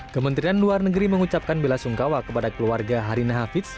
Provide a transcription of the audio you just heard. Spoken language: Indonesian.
kementerian luar negeri mengucapkan bela sungkawa kepada keluarga harina hafiz